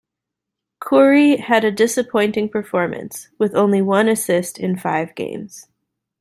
Kurri had a disappointing performance, with only one assist in five games.